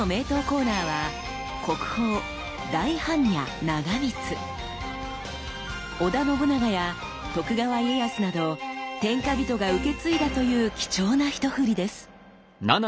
コーナーは織田信長や徳川家康など天下人が受け継いだという貴重なひとふりです。